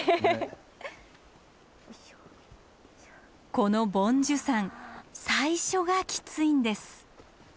この梵珠山最初がきついんです。